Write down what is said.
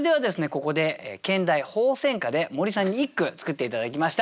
ここで兼題「鳳仙花」で森さんに一句作って頂きました。